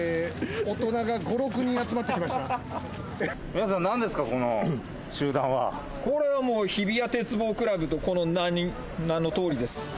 ・皆さん何ですかこの集団はこれはもう日比谷鉄棒倶楽部とこの名のとおりです